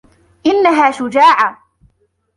إنها شجاعة.